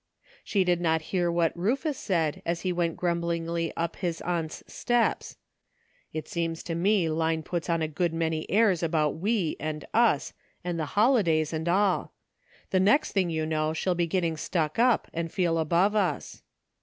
'* She did not hear what Rufus said as he went grumblingly up his aunt's steps. "It seems to me Line puts on a good many airs about ' we * and ' us ' and ' the holidays ' and all. The next thing you know she'll be getting stuck up, and feel above us."